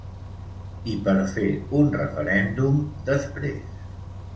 I per fer un referèndum, després.